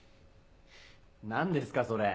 何ですかそれ。